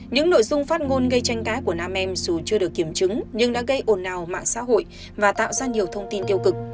những nội dung phát ngôn gây tranh cãi của nam em dù chưa được kiểm chứng nhưng đã gây ồn ào mạng xã hội và tạo ra nhiều thông tin tiêu cực